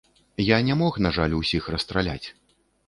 Я не мог, на жаль, усіх расстраляць.